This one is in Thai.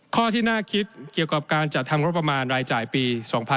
ข้อที่น่าคิดเกี่ยวกับการจัดทำงบประมาณรายจ่ายปี๒๕๖๒